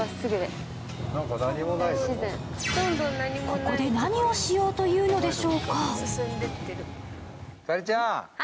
ここで何をしようというのでしょうか。